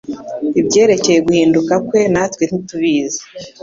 Ibyerekeye guhinduka kwe natwe ntitubizi